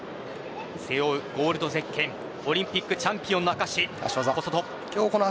背負うゴールドゼッケンオリンピックチャンピオンの証し。